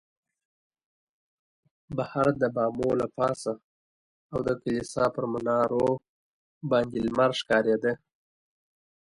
بهر د بامو له پاسه او د کلیسا پر منارو باندې لمر ښکارېده.